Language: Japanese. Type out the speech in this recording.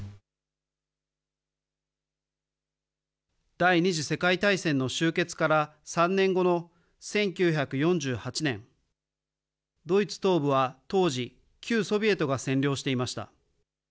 第２次世界大戦の終結から３年後の１９４８年、ドイツ東部は当時、旧ソビエトが占領していました。